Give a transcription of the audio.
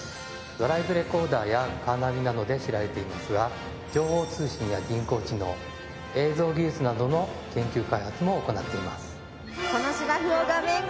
ドライブレコーダーやカーナビなどで知られていますが情報通信や人工知能映像技術などの研究開発も行っています。